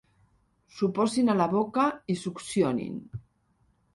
S'ho posin a la boca i succionin.